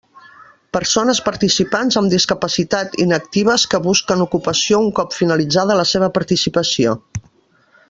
Persones participants amb discapacitat inactives que busquen ocupació un cop finalitzada la seva participació.